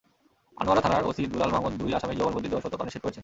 আনোয়ারা থানার ওসি দুলাল মাহমুদ দুই আসামির জবানবন্দি দেওয়ার সত্যতা নিশ্চিত করেছেন।